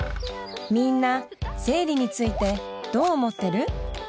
みんな生理についてどう思ってる？